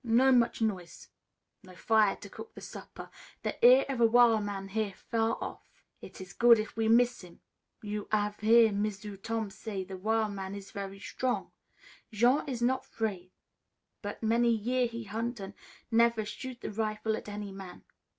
No much nois'; no fire to cook the supper. The ear of a wil' man hear far off. It is good if we miss him. You hav' hear M'sieu' Tom say the wil' man is very strong. Jean is not 'fraid. But many year he hunt, an' never shoot the rifle at any man.